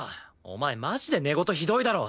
お前マジで寝言ひどいだろ！